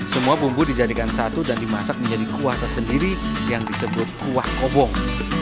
semua bumbu dijadikan satu dan dimasak menjadi kuah tersendiri yang disebut kuah kobong